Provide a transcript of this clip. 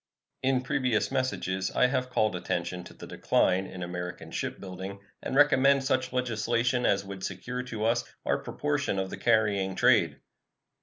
In previous messages I have called attention to the decline in American shipbuilding and recommended such legislation as would secure to us our proportion of the carrying trade.